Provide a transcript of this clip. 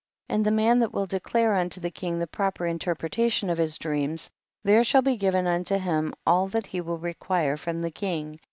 14. And the man that will declare unto the king the proper interpretation of his dreams, there shall be given unto him all that he will require from the king.